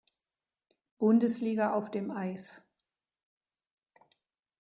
Bundesliga auf dem Eis.